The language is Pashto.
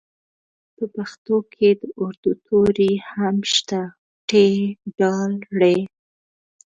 په پښتو کې د اردو توري هم شته ټ ډ ړ